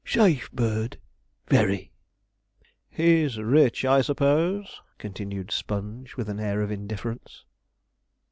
safe bird very.' 'He's rich, I suppose?' continued Sponge, with an air of indifference.